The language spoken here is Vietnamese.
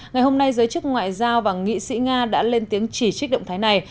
ngày hôm nay giới chức ngoại giao và nghị sĩ nga đã lên tiếng chỉ trích động thái này